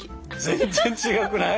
全然違うくない？